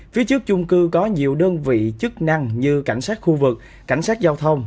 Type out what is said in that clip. phía trước chung cư có nhiều đơn vị chức năng như cảnh sát khu vực cảnh sát giao thông